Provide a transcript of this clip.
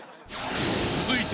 ［続いて］